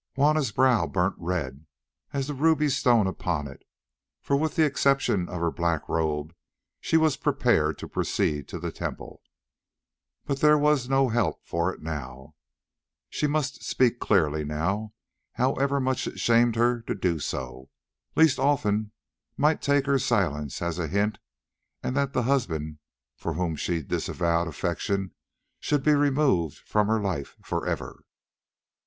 Juanna's brow burnt red as the ruby stone upon it, for with the exception of her black robe she was prepared to proceed to the temple. But there was no help for it now; she must speak clearly, however much it shamed her to do so, lest Olfan might take her silence as a hint, and the "husband" for whom she disavowed affection should be removed from her life for ever.